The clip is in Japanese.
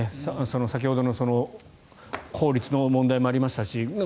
先ほどの法律の問題もありましたし